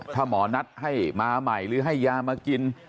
ถ้าหมอนัดให้มาใหม่หรือให้ยามากิน